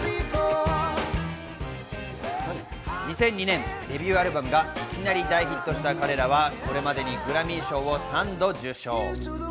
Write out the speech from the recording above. ２００２年、デビューアルバムがいきなり大ヒットした彼らは、これまでにグラミー賞を３度受賞。